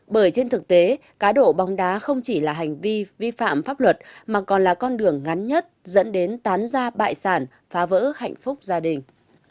bởi trên thực tế cá độ bóng đá không chỉ là hành vi vi phạm pháp luật mà còn là con đường ngắn nhất dẫn đến tán ra bại sản phá vỡ hạnh phúc gia đình